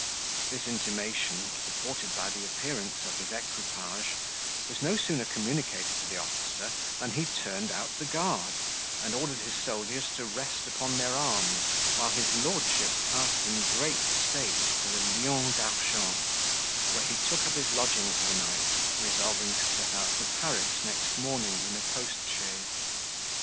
This intimation, supported by the appearance of his equipage, was no sooner communicated to the officer, than he turned out the guard, and ordered his soldiers to rest upon their arms, while his lordship passed in great state to the Lion d'Argent, where he took up his lodging for the night, resolving to set out for Paris next morning in a post chaise.